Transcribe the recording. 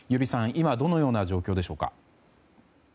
今、どのような状況でしょうか。